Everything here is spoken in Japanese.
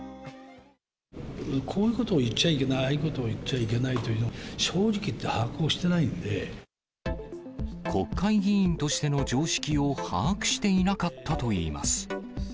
こういうことを言っちゃいけない、ああいうことを言っちゃいけないというのを、正直言って、国会議員としての常識を把握していなかったといいます。